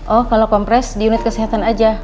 oh kalau kompres di unit kesehatan aja